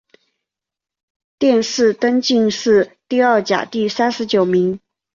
殿试登进士第二甲第三十九名。